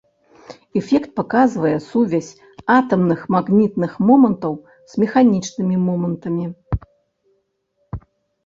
Эфект паказвае сувязь атамных магнітных момантаў з механічнымі момантамі.